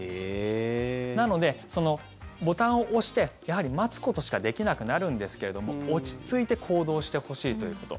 なので、ボタンを押してやはり待つことしかできなくなるんですけれども落ち着いて行動してほしいということ。